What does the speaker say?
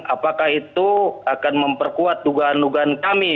apakah itu akan memperkuat dugaan dugaan kami